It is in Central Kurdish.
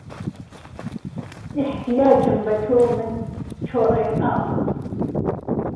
ئيحتياجم به تۆ من چۆڕئک ئاوه